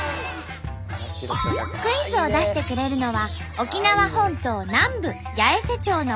クイズを出してくれるのは沖縄本島南部八重瀬町の子どもたち。